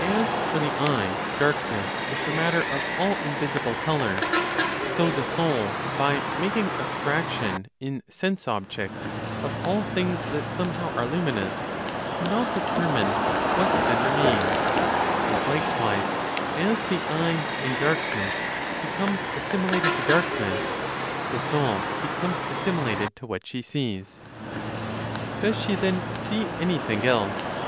As for the eye, darkness is the matter of all invisible color, so the soul, by making abstraction in sense objects of all things that somehow are luminous, cannot determine what then remains; and likewise, as the eye, in darkness (becomes assimilated to darkness), the soul becomes assimilated to what she sees. Does she then see anything else?